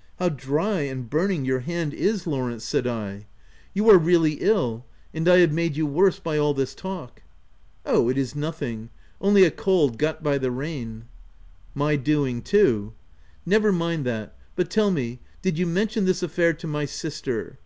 " How dry and burning your hand is Law 164 THE TENANT rence,'' said I. " You are really ill, and I have made you worse by all this talk." et Oh, it is nothing : only a cold got by the rain." " My doing, too.'' " Never mind that — but tell me, did you men tion this affair to my sister